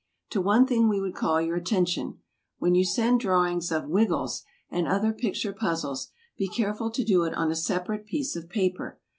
To one thing we would call your attention. When you send drawings of "Wiggles" and other picture puzzles, be careful to do it on a separate piece of paper.